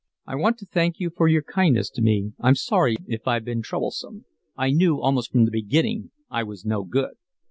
"I want to thank you for your kindness to me. I'm sorry if I've been troublesome. I knew almost from the beginning I was no good."